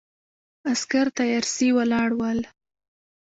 عسکر تیارسي ولاړ ول.